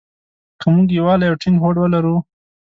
که مونږ يووالی او ټينګ هوډ ولرو.